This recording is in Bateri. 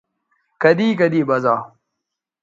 کدی کدی بزا